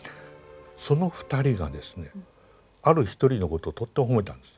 その２人がですねある一人のことをとっても褒めたんです。